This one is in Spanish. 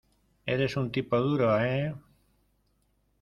Eres un tipo duro, ¿ eh?